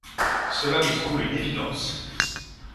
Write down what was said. Cela me semble une évidence.